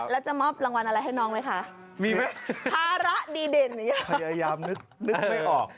แล้วจะมอบรางวัลอะไรให้น้องไหมคะฮาระดีเด่นพยายามนึกไม่ออก